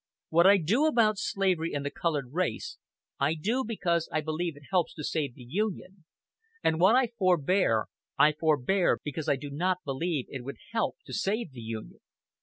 What I do about slavery and the colored race, I do because I believe it helps to save the Union, and what I forbear I forbear because I do not believe it would help to save the Union.